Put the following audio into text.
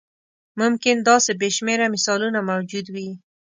ممکن داسې بې شمېره مثالونه موجود وي.